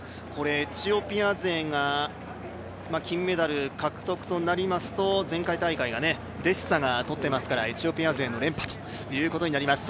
エチオピア勢が金メダル獲得となりますと前回大会がデシサが取っていますからエチオピア勢の連覇ということになります。